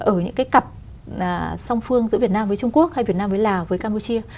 ở những cái cặp song phương giữa việt nam với trung quốc hay việt nam với lào với campuchia